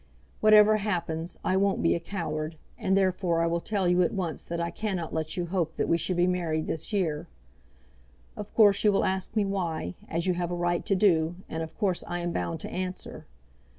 Whatever happens I won't be a coward, and therefore I will tell you at once that I cannot let you hope that we should be married this year. Of course you will ask me why, as you have a right to do, and of course I am bound to answer.